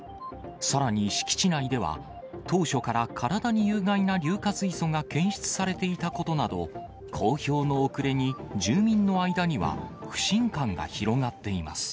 さらに敷地内では、当初から体に有害な硫化水素が検出されていたことなど、公表の遅れに住民の間には不信感が広がっています。